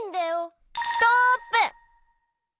ストップ！